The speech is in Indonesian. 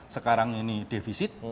sekarang ini defisit